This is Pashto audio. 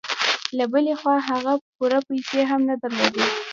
له بلې خوا هغه پوره پيسې هم نه درلودې.